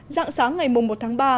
giảng sáng ngày một tháng ba